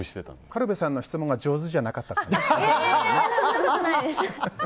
軽部さんの質問が上手じゃなかったとか。